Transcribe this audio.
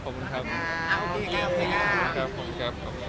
คงเป็นปีเก่งครับ